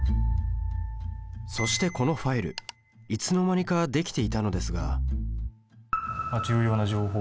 そしてこのファイルいつの間にか出来ていたのですが「重要な情報」。